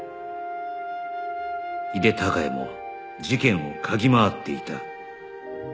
井手孝也も事件を嗅ぎ回っていた